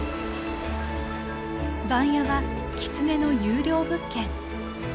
番屋はキツネの優良物件。